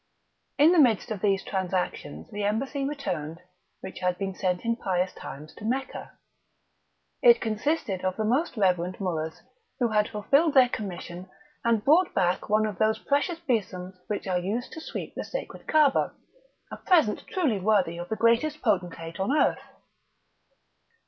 In the midst of these transactions the embassy returned which had been sent in pious times to Mecca. It consisted of the most reverend Moullahs, who had fulfilled their commission and brought back one of those precious besoms which are used to sweep the sacred Caaba: a present truly worthy of the greatest potentate on earth!